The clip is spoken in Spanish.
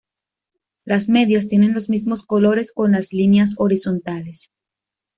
Las medias tienen los mismos colores con las líneas horizontales.